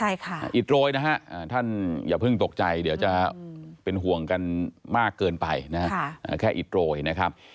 อย่าเพิ่งตกใจเดี๋ยวจะเป็นห่วงกันมากเกินไปแค่อิดโรยนะครับ